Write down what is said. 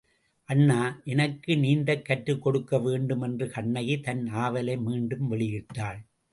அண்ணா, எனக்கு நீந்தக் கற்றுக்கொடுக்க வேண்டும் என்று கண்ணகி தன் ஆவலை மீண்டும் வெளியிட்டாள்.